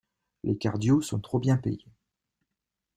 Les cardios sont trop bien payés.